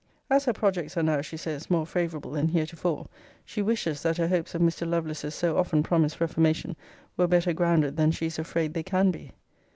As her projects are now, she says, more favourable than heretofore, she wishes, that her hopes of Mr. Lovelace's so often promised reformation were better grounded than she is afraid they can be.